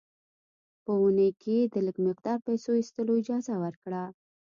په اونۍ کې یې د لږ مقدار پیسو ایستلو اجازه ورکړه.